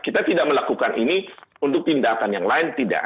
kita tidak melakukan ini untuk tindakan yang lain tidak